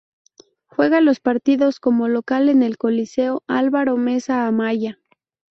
Juega los partidos como local en el Coliseo Álvaro Mesa Amaya.